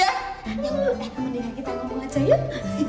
ya mendingan kita ngomong aja yuk